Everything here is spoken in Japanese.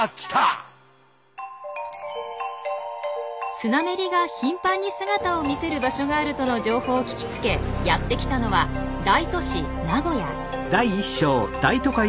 スナメリが頻繁に姿を見せる場所があるとの情報を聞きつけやってきたのは大都市・名古屋。